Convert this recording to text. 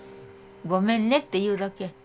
ごめんねって言うだけ。